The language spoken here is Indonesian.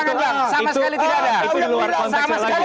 sama sekali tidak ada